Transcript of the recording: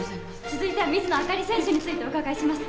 続いては水野あかり選手についてお伺いします。